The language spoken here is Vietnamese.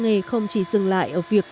nghề không chỉ dừng lại ở việc